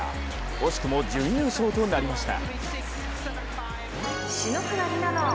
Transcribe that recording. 惜しくも準優勝となりました。